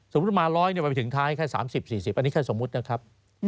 สมมติมาร้อยไปถึงไม่ถึงท้ายแค่๓๐๔๐สมมตินะครับ